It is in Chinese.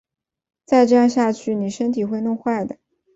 再这样下去妳身体会弄坏的